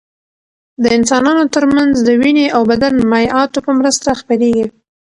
د انسانانو تر منځ د وینې او بدن مایعاتو په مرسته خپرېږي.